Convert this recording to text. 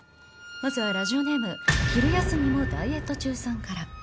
まずはラジオネーム昼休みもダイエット中さんから。